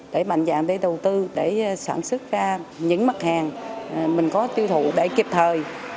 để mạnh dạng để đầu tư để sản xuất ra những mặt hàng mình có tiêu thụ để kịp thời